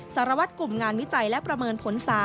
สารวัตรกลุ่มงานวิจัยและประเมินผล๓